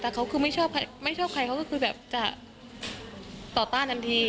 ถ้าเขาไม่ชอบใครเขาก็คือแบบจะต่อต้านแบบนี้